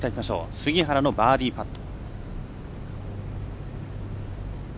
杉原のバーディーパット。